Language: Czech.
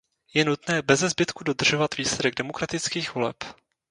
Je nutné beze zbytku dodržovat výsledek demokratických voleb.